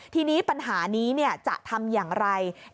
ทีนี้ปัญหานี้จะทำอย่างไร